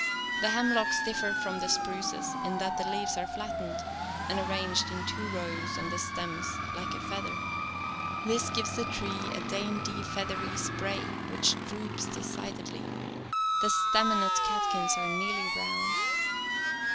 The hemlocks differ from the spruces in that the leaves are flattened and arranged in two rows on the stems like a feather (Fig. 8.). This gives the tree a dainty, feathery spray which droops decidedly. The staminate catkins are nearly round.